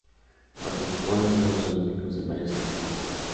Participó en los juegos olímpicos en varias ocasiones.